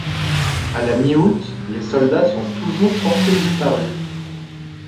À la mi-août, les soldats sont toujours portés disparus.